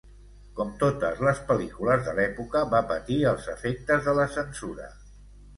Com totes les pel·lícules de l'època, va patir els efectes de la censura.